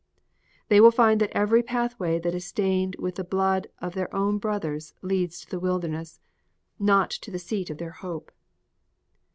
They will find that every pathway that is stained with the blood of their own brothers leads to the wilderness, not to the seat of their hope.